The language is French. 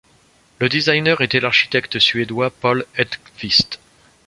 Le désigner était l'architecte Suédois Paul Hedqvist.